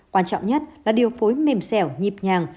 quan trọng nhất là điều phối mềm xẻo nhịp nhàng